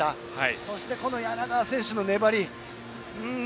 そして、柳川選手の粘り。